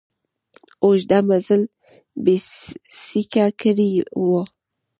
اوږده مزل بېسېکه کړی و.